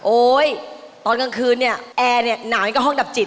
โอ้ยตอนกลางคืนเนี่ยแอร์นี่หนาวนี่ก็ห้องดับจิต